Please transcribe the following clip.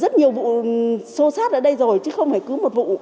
rất nhiều vụ xô xát ở đây rồi chứ không phải cứ một vụ